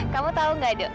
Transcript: kamu tau gak do